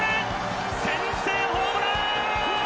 先制ホームラン！